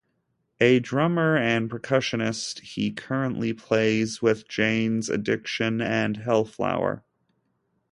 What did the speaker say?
A drummer and percussionist, he currently plays with Jane's Addiction and Hellflower.